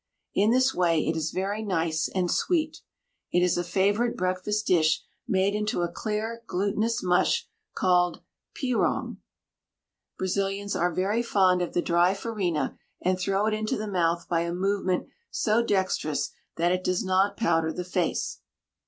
In this way it is very nice and sweet. It is a favorite breakfast dish made into a clear glutinous mush called pirao (pronounced pe rong). Brazilians are very fond of the dry farina and throw it into the mouth by a movement so dexterous that it does not powder the face.